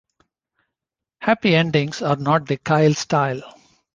Happy endings are not the Kyle style.